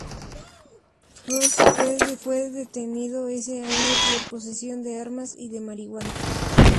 Ross fue detenido ese año por posesión de armas y de marihuana.